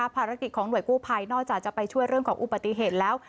ภารกิจของหน่วยกู้ภัยนอกจากจะไปช่วยเรื่องของอุบัติเหตุแล้ว